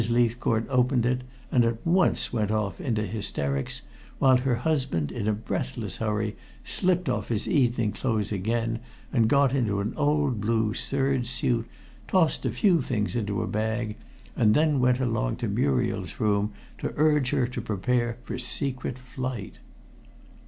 Leithcourt opened it, and at once went off into hysterics, while her husband, in a breathless hurry, slipped off his evening clothes again and got into an old blue serge suit, tossed a few things into a bag, and then went along to Muriel's room to urge her to prepare for secret flight."